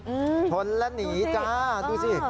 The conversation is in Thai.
อืมชนแล้วหนีจ้าดูสิ